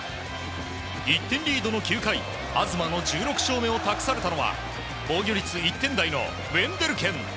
１点リードの９回東の１６勝目を託されたのは防御率１点台のウェンデルケン。